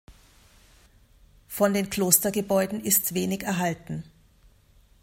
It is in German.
Von den Klostergebäuden ist wenig erhalten.